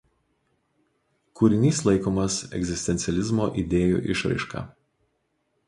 Kūrinys laikomas egzistencializmo idėjų išraiška.